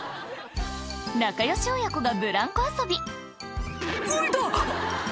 仲よし親子がブランコ遊び「あ痛っ！」